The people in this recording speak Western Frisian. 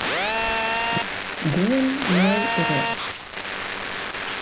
Gean nei berjocht.